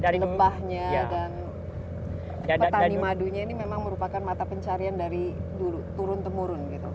lebahnya dan petani madunya ini memang merupakan mata pencarian dari dulu turun temurun gitu